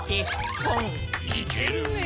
いけるね！